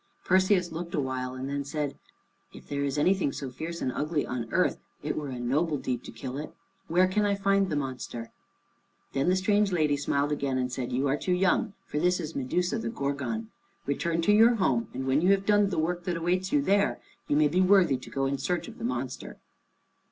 Perseus looked awhile and then said, "If there is anything so fierce and ugly on earth, it were a noble deed to kill it. Where can I find the monster?" Then the strange lady smiled again and said, "You are too young, for this is Medusa the Gorgon. Return to your home, and when you have done the work that awaits you there, you may be worthy to go in search of the monster."